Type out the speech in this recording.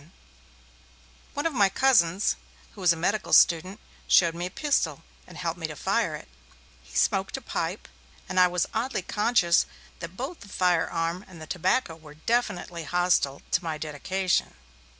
One of my cousins, who was a medical student, showed me a pistol, and helped me to fire it; he smoked a pipe, and I was oddly conscious that both the firearm and the tobacco were definitely hostile to my 'dedication'.